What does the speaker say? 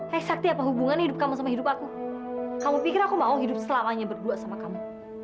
hei sakti apa hubungan hidup kamu sama hidup aku kamu pikir aku mau hidup selamanya berdua sama kamu